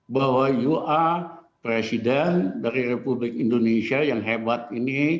bahwa ua presiden dari republik indonesia yang hebat ini